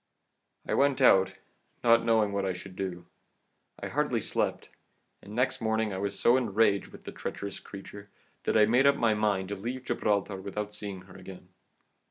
"I went out, not knowing what I should do; I hardly slept, and next morning I was so enraged with the treacherous creature that I made up my mind to leave Gibraltar without seeing her again.